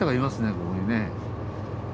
ここにね。